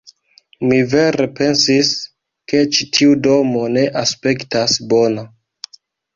Mi vere pensis, ke ĉi tiu domo ne aspektas bona